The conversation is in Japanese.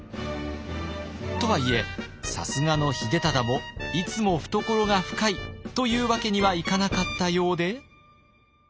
とはいえさすがの秀忠もいつも懐が深いというわけにはいかなかったようで。